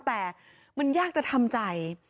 แต่มันยากจะทำใจ